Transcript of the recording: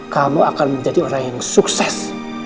kamu akan menjadi orang yang sukses